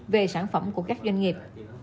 về sản phẩm của các doanh nghiệp